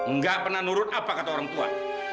nggak pernah nurut apa kata orang tua